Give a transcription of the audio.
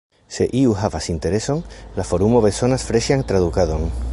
Se iu havas intereson, la forumo bezonas freŝan tradukadon.